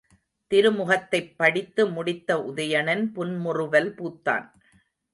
திருமுகத்தைப் படித்து முடித்த உதயணன் புன்முறுவல் பூத்தான்.